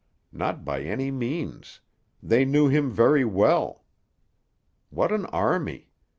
Not by any means; they knew him very well. What an army!